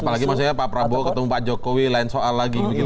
apalagi maksudnya pak prabowo ketemu pak jokowi lain soal lagi